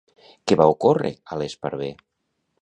Què va ocórrer a l'Esparver?